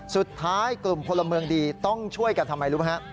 สุดท้ายกลุ่มพลเมืองดีต้องช่วยกันทำไมรู้ไหมฮะ